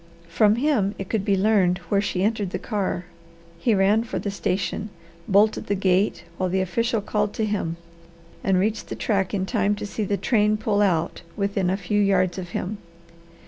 From him it could be learned where she entered the car. He ran for the station, bolted the gate while the official called to him, and reached the track in time to see the train pull out within a few yards of him.